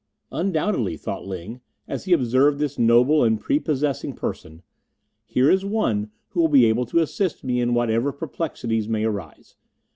"Undoubtedly," thought Ling, as he observed this noble and prepossessing person, "here is one who will be able to assist me in whatever perplexities may arise.